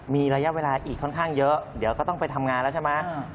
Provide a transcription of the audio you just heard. มีระยะเวลาอีกค่อนข้างเยอะเดี๋ยวก็ต้องไปทำงานแล้วใช่ไหม